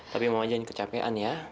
tapi mama jangan kecapean ya